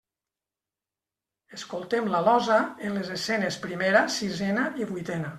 Escoltem l'alosa en les escenes primera, sisena i vuitena.